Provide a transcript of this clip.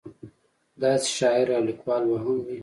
داسې شاعر او لیکوال به هم وي.